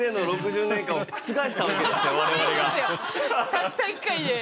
たった１回で。